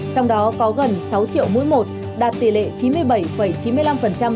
trong đó có gần sáu triệu mũi một đạt tỷ lệ chín mươi bảy chín mươi năm dân số